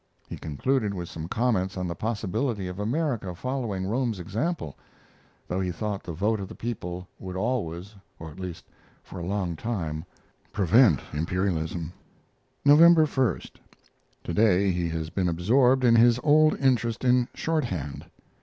He concluded with some comments on the possibility of America following Rome's example, though he thought the vote of the people would always, or at least for a long period, prevent imperialism. November 1. To day he has been absorbed in his old interest in shorthand.